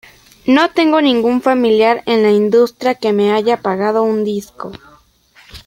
No tengo ningún familiar en la industria que me haya pagado un disco.